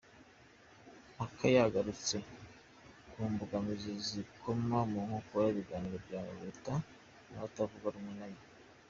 Mkapa yagarutse ku mbogamizi zikoma mu nkokora ibiganiro bya Leta n’abatavugarumwe nayo.